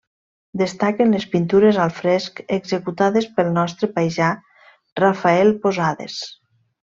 Destaquen les pintures al fresc executades pel nostre paisà Rafael Posades.